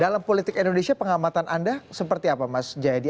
dalam politik indonesia pengamatan anda seperti apa mas jayadi